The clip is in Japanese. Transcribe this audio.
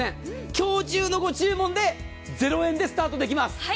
今日中のご注文で０円でスタートできます。